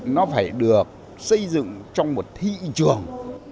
nó phải được xây dựng trong một thị trường